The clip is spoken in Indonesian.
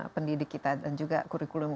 pendidik kita dan juga kurikulum